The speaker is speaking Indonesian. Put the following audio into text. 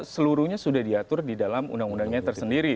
seluruhnya sudah diatur di dalam undang undangnya tersendiri